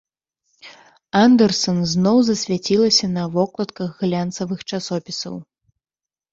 Андэрсан зноў засвяцілася на вокладках глянцавых часопісаў.